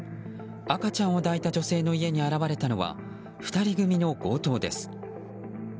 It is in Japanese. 赤ちゃんを抱いた女性の家に現れたのは２人組の強盗です。